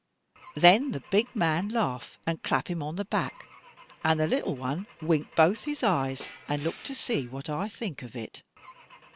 Then the big man laugh and clap him on the back; and the little one wink both his eyes, and look to see what I think of it.